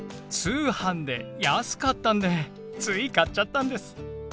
通販で安かったんでつい買っちゃったんです。